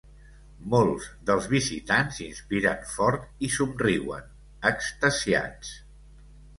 Molts dels visitants inspiren fort i somriuen, extasiats.